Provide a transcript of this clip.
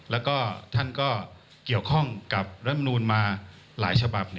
แล้วก็ท่านก็เกี่ยวข้องกับรัฐมนูลมาหลายฉบับ